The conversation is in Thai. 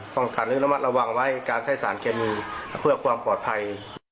ต้องการรึงรมทร์ระวังไว้การใช้สารเคมีเพื่อความปลอดภัย